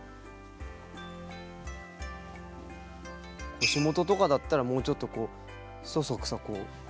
腰元とかだったらもうちょっとこうそそくさこう。